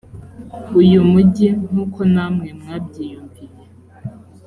uyu mugi nk uko namwe mwabyiyumviye